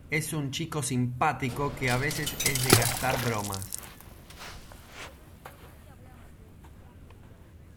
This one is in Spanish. Es un chico simpático que a veces es de gastar bromas.